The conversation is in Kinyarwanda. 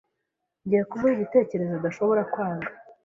Ngiye kumuha igitekerezo adashobora kwanga.